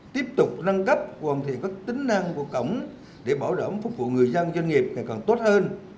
tiếp tục nâng cấp hoàn thiện các tính năng của cổng để bảo đảm phục vụ người dân doanh nghiệp ngày càng tốt hơn